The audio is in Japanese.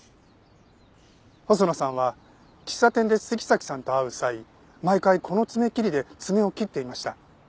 細野さんは喫茶店で杉崎さんと会う際毎回この爪切りで爪を切っていました。